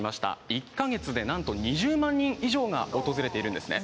１か月でなんと２０万人以上が訪れているんですね。